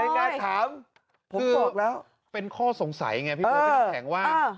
ก็คือเป็นข้อสงสัยไงพี่โม่ทิศแห่งว่า